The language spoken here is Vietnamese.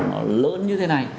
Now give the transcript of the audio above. nó lớn như thế này